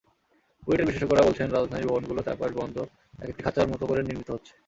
বুয়েটের বিশেষজ্ঞরা বলছেন, রাজধানীর ভবনগুলো চারপাশ বন্ধ একেকটি খাঁচার মতো করে নির্মিত হচ্ছে।